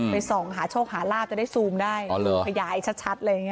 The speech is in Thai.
ไปส่องหาโชคหาลาภจะได้ซูมได้พยายายชัดเลย